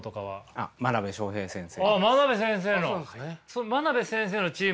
あっ真鍋先生の。